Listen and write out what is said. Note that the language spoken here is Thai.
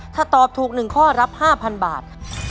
ถ้าตอบถูก๑ข้อรับ๕๐๐บาท